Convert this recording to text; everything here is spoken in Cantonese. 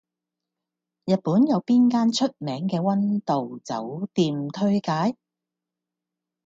日本有邊間出名嘅温度酒店推介